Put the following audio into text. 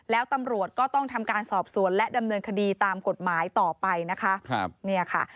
แล้วตำรวจก็ต้องทำการสอบส่วนและดำเนินคดีตามกฎหมายต่อไปนะคะ